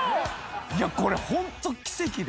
これホント奇跡で。